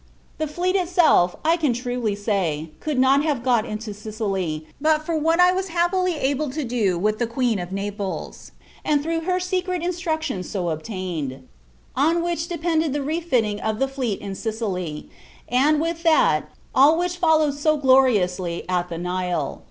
The fleet itself, I can truly say, could not have got into Sicily, but for what I was happily able to do with the Queen of Naples, and through her secret instructions so obtained: on which depended the refitting of the fleet in Sicily; and, with that, all which followed so gloriously at the Nile.